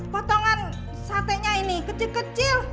potongan sate nya ini kecil kecil